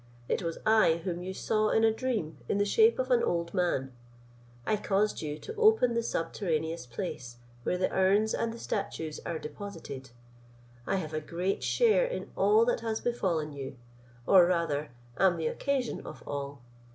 It was I whom you saw in a dream in the shape of an old man; I caused you to open the subterraneous place, where the urns and the statues are deposited: I have a great share in all that has befallen you, or rather am the occasion of all.